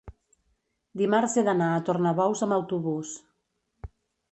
dimarts he d'anar a Tornabous amb autobús.